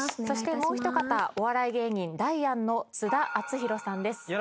そしてもう一方お笑い芸人ダイアンの津田篤宏さんです。